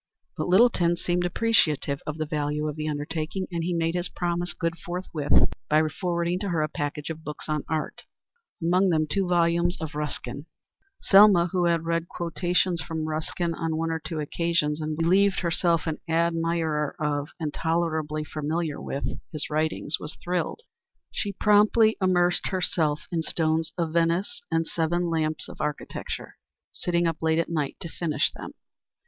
But Littleton seemed appreciative of the value of the undertaking, and he made his promise good forthwith by forwarding to her a package of books on art, among them two volumes of Ruskin. Selma, who had read quotations from Ruskin on one or two occasions and believed herself an admirer of, and tolerably familiar with, his writings, was thrilled. She promptly immersed herself in "Stones of Venice" and "Seven Lamps of Architecture," sitting up late at night to finish them.